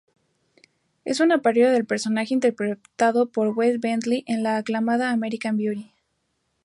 Es una parodia del personaje interpretado por Wes Bentley en la aclamada "American Beauty".